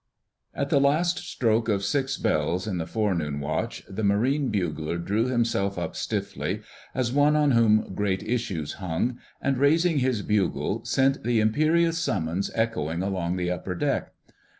* At the last stroke of six bells in the Forenoon Watch the Marine bugler drew himself up stiffly, as one on whom great issues hung, and raising his bugle sent the imperious summons echoing along the upper deck.